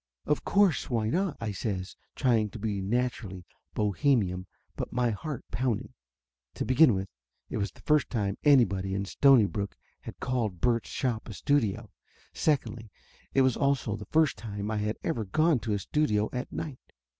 "Of course, why not?" I says, trying to be nat urally Bohemian, but my heart pounding. To begin with, it was the first time anybody in Stonybrook had called Bert's shop a studio. Secondly, it was also the first time I had ever gone to a studio at night.